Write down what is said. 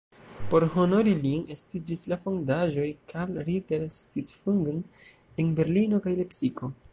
Por honori lin estiĝis la fondaĵoj "Karl Ritter-Stiftungen" en Berlino kaj Lepsiko.